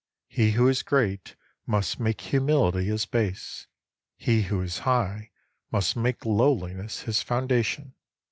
He who is great must make humility his base. He who is high must make lowliness his foundation.